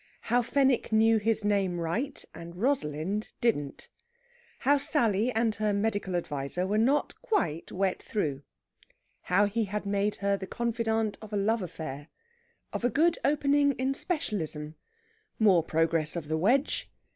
HOW FENWICK KNEW HIS NAME RIGHT, AND ROSALIND DIDN'T. HOW SALLY AND HER MEDICAL ADVISER WERE NOT QUITE WET THROUGH. HOW HE HAD MADE HER THE CONFIDANTE OF A LOVE AFFAIR. OF A GOOD OPENING IN SPECIALISM. MORE PROGRESS OF THE WEDGE.